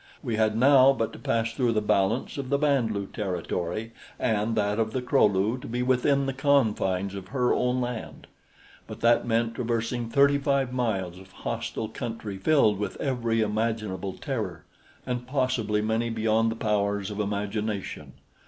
We now had but to pass through the balance of the Band lu territory and that of the Kro lu to be within the confines of her own land; but that meant traversing thirty five miles of hostile country filled with every imaginable terror, and possibly many beyond the powers of imagination.